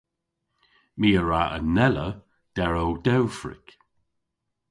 My a wra anella der ow dewfrik.